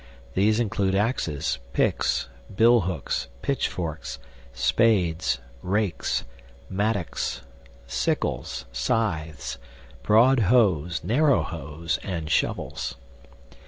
These include axes, picks, billhooks, pitchforks, spades, rakes, mattocks, sickles, scythes, broad hoes, narrow hoes, and shovels.